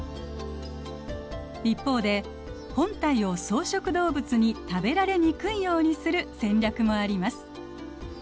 一方で本体を草食動物に食べられにくいようにする戦略もあります。